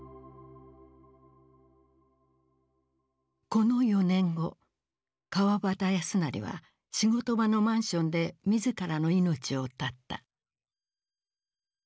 この４年後川端康成は仕事場のマンションで自らの命を絶った。